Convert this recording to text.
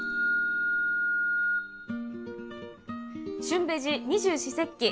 「旬ベジ二十四節気」。